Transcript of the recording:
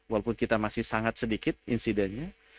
walaupun kita masih sangat sedikit insidennya